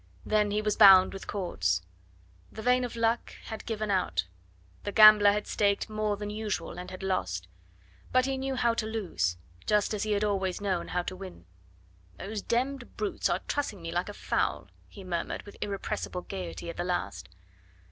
Then he was bound with cords. The vein of luck had given out. The gambler had staked more than usual and had lost; but he knew how to lose, just as he had always known how to win. "Those d d brutes are trussing me like a fowl," he murmured with irrepressible gaiety at the last.